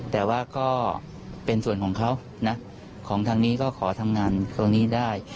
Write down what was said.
แต่ว่าก็เป็นส่วนของเขานะของทางนี้ก็ขอทำงานตรงนี้ได้